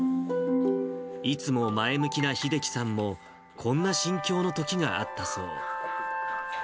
いつも前向きな秀樹さんも、こんな心境のときがあったそう。